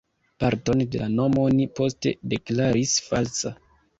Parton de la mono oni poste deklaris falsa.